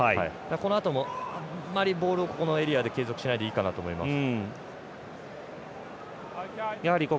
このあとも、あまりこのエリアでボールを継続しないでいいかなと思います。